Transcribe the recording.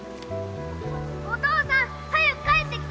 ☎お父さん早く帰ってきて